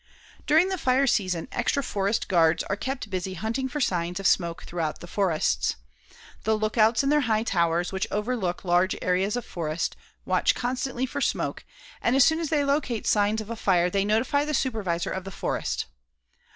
During the fire season, extra forest guards are kept busy hunting for signs of smoke throughout the forests. The lookouts in their high towers, which overlook large areas of forest, watch constantly for smoke, and as soon as they locate signs of fire they notify the supervisor of the forest.